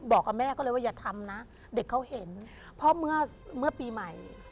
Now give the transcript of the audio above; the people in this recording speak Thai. บอกกับแม่ก็เลยว่าอย่าทำนะ